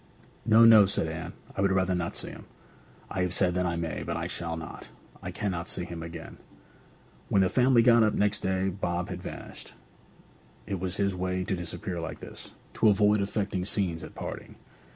'No, no,' said Anne. 'I would rather not see him! I have said that I may. But I shall not. I cannot see him again!' When the family got up next day Bob had vanished. It was his way to disappear like this, to avoid affecting scenes at parting.